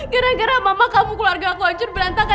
gara gara mama kamu keluarga aku hancur berantakan